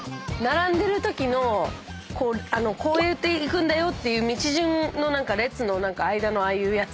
こうやって行くんだよっていう道順の列の間のああいうやつ。